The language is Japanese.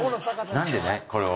なんでねこれを。